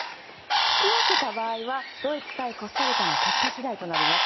引き分けた場合はドイツ対コスタリカの結果次第となります。